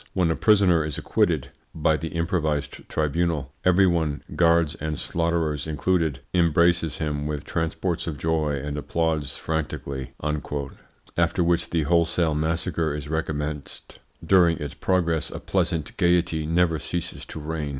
When a prisoner is acquitted (by the improvised tribunal) every one, guards and slaughterers included, embraces him with transports of joy and applauds frantically," after which the wholesale massacre is recommenced. During its progress a pleasant gaiety never ceases to reign.